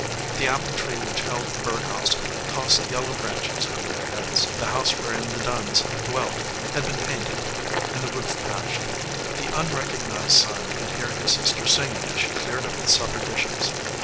The apple tree which held the bird house tossed yellow branches over their heads. The house wherein the Dunns dwelt had been painted, and the roof patched. The unrecognized son could hear his sis ter singing as she cleared up the supper dishes.